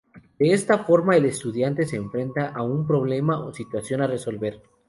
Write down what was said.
De esta forma, el estudiante se enfrenta a un problema o situación a resolver.